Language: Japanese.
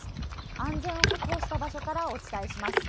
安全を確保した場所からお伝えします。